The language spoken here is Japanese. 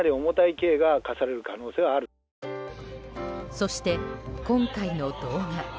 そして今回の動画。